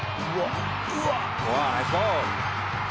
うわナイスゴール！